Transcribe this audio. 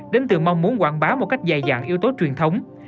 đến từ mong muốn quảng bá một cách dài dạng yếu tố truyền thống